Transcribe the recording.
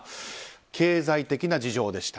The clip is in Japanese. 経済的な事情でした。